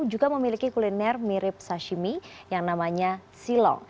juga memiliki kuliner mirip sashimi yang namanya silo